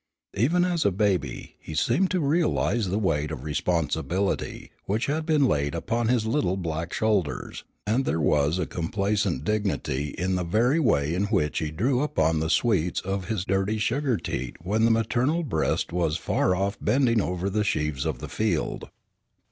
Even as a baby he seemed to realize the weight of responsibility which had been laid upon his little black shoulders, and there was a complacent dignity in the very way in which he drew upon the sweets of his dirty sugar teat when the maternal breast was far off bending over the sheaves of the field.